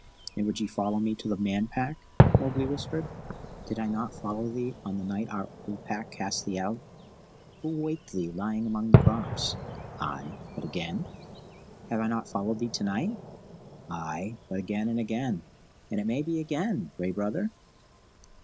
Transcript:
"And would ye follow me to the Man Pack?" Mowgli whispered. "Did I not follow thee on the night our old Pack cast thee out? Who waked thee lying among the crops?" "Ay, but again?" "Have I not followed thee to night?" "Ay, but again and again, and it may be again, Gray Brother?"